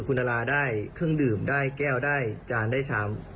คุณนาราได้เครื่องดื่มได้แก้วได้จานได้ชาม